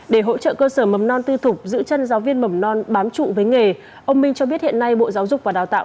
để hỗ trợ cơ sở mầm non tư thục giữ chân giáo viên mầm non bám trụ với nghề ông minh cho biết hiện nay bộ giáo dục và đào tạo